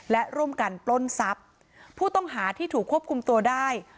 และร่วมกันปล้นทรัพย์ผู้ต้องหาที่ถูกควบคุมตัวได้